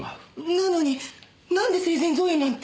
なのになんで生前贈与なんて？